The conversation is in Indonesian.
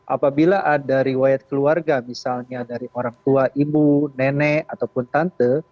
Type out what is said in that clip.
apabila ada riwayat keluarga misalnya dari orang tua ibu nenek ataupun tante